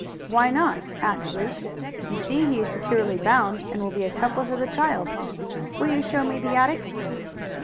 "Why not?" asked Luke. "You see he is securely bound and will be as helpless as a child. Will you show me the attic?"